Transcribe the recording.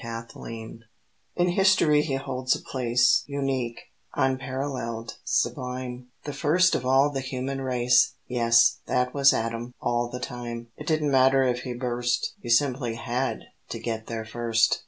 Adam In History he holds a place Unique, unparalleled, sublime; "The First of all the Human Race!" Yes, that was Adam, all the time. It didn't matter if he burst, He simply had to get there first.